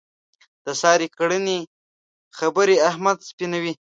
د سارې کړنې خبرې احمد سپینوي.